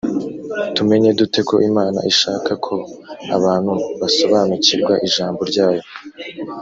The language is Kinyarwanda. tumenya dute ko imana ishaka ko abantu basobanukirwa ijambo ryayo